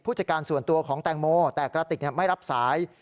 จัดการส่วนตัวของแตงโมแต่กระติกไม่รับสาย